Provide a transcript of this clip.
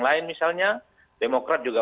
lain misalnya demokrat juga